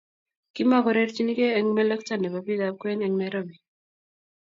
Kimako rerchini kiy eng melekto nebo bikap. Kwen eng Nairobi